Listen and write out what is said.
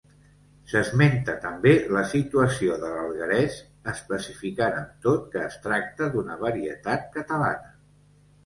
S'esmenta també la situació de l'alguerès, especificant amb tot que es tracta d'una varietat catalana.